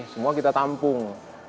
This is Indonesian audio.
semua kita tampung